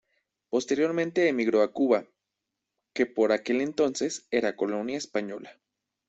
Posteriormente, emigró a Cuba, que por aquel entonces, era colonia española.